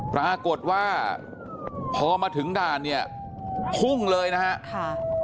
ปรากฏว่าพอมาถึงด่านเนี่ยพุ่งเลยนะฮะค่ะ